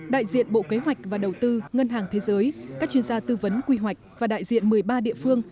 đại diện bộ kế hoạch và đầu tư ngân hàng thế giới các chuyên gia tư vấn quy hoạch và đại diện một mươi ba địa phương